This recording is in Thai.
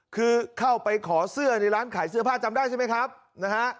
คือเข้าไปขอเสื้อในร้านขายเสื้อผ้าจำได้ใช่ไหมครับนะฮะ